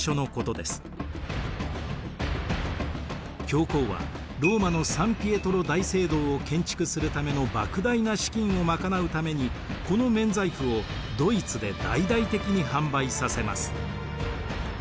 教皇はローマのサン・ピエトロ大聖堂を建築するためのばく大な資金を賄うためにこの免罪符をドイツで大々的に販売させます。